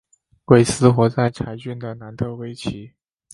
韦斯活在柴郡的南特威奇。